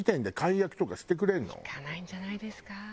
いかないんじゃないですか？